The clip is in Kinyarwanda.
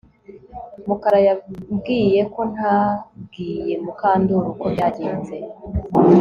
Mukara yambwiye ko ntabwiye Mukandoli uko byagenze